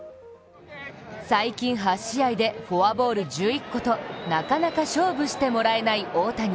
最近８試合でフォアボール１１個となかなか勝負してもらえない大谷。